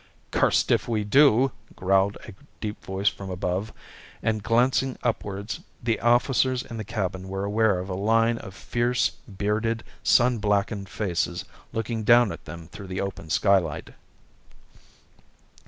"Cursed if we do!" growled a deep voice from above, and glancing upwards the officers in the cabin were aware of a line of fierce, bearded, sun blackened faces looking down at them through the open skylight.